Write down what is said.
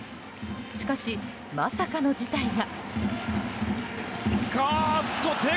しかし、まさかの事態が。